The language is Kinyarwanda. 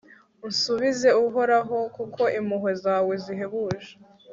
unsubize, uhoraho, kuko impuhwe zawe zihebuje